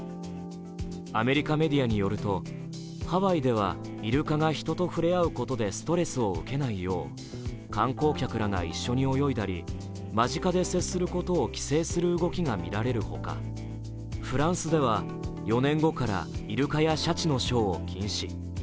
アメリカメディアによると、ハワイではイルカが人と触れ合うことでストレスを受けないよう観光客らが一緒に泳いだり、間近で接することを規制する動きがみられるほかフランスでは４年後からいるかやシャチのショーを禁止。